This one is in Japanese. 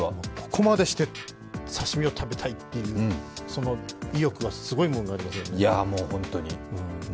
ここまでして刺身を食べたいという、その意欲はすごいものがありますね。